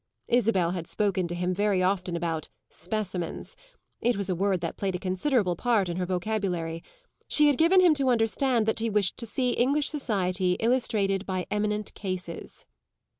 Isabel had spoken to him very often about "specimens;" it was a word that played a considerable part in her vocabulary; she had given him to understand that she wished to see English society illustrated by eminent cases.